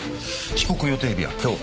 帰国予定日は今日。